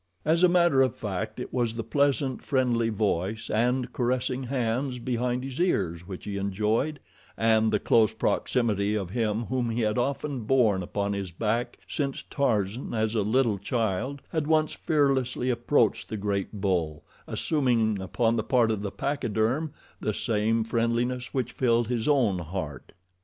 As a matter of fact it was the pleasant, friendly voice and caressing hands behind his ears which he enjoyed, and the close proximity of him whom he had often borne upon his back since Tarzan, as a little child, had once fearlessly approached the great bull, assuming upon the part of the pachyderm the same friendliness which filled his own heart.